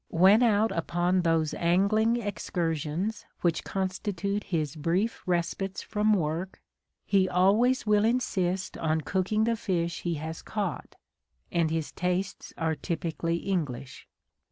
When out upon those angling excursions which constitute his brief respites from work, he always will insist on cooking the fish he has caught: and his tastes are typically English.